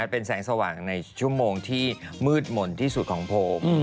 เป็นแสงสว่างในชั่วโมงที่มืดหม่นที่สุดของผม